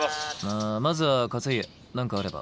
まずは勝家何かあれば。